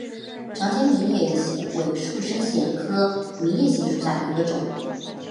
长尖明叶藓为树生藓科明叶藓属下的一个种。